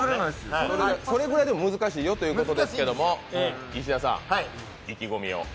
それぐらい難しいよということですけども、石田さん、意気込みを。